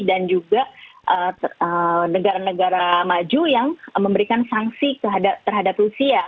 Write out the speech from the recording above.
dan juga negara negara maju yang memberikan sanksi terhadap rusia